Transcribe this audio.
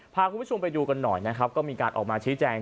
พาคุณผู้ชมไปดูกันหน่อยนะครับก็มีการออกมาชี้แจง